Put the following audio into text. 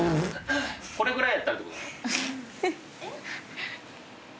これぐらいやったって事？